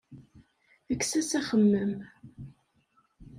Kkes-as axemmem.